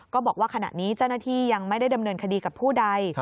ก็บอกว่าขณะนี้เจ้าหน้าที่ยังไม่ได้ดำเนินคดีกับผู้ใด